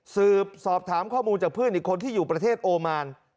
สอบถามข้อมูลจากเพื่อนอีกคนที่อยู่ประเทศโอมาน